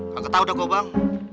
gak ketau dah gue bang